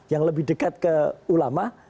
yang lebih dekat ke ulama